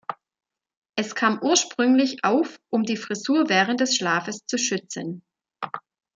Es kam ursprünglich auf, um die Frisur während des Schlafes zu schützen.